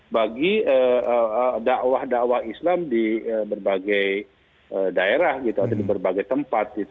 bagi dakwah dakwah islam di berbagai daerah gitu atau di berbagai tempat